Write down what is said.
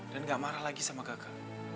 dan gak marah lagi sama gek ke